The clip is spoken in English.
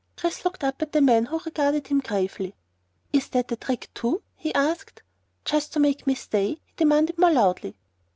Chris looked up at the man who regarded him gravely. "Is that a trick too?" he asked. "Just to make me stay?" he demanded more loudly.